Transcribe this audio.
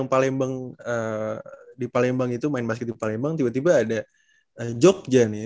di postingan postingan lu yang di palembang itu main basket di palembang tiba tiba ada jogja nih